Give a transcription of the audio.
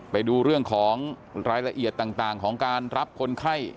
ไปดูเรื่องของรายละเอียดต่างของการรับคนไข้